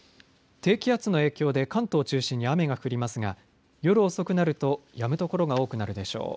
低気圧の影響で関東を中心に雨が降りますが夜遅くなるとやむ所が多くなるでしょう。